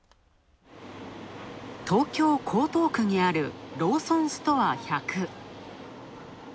東京、江東区にあるローソンストア１００。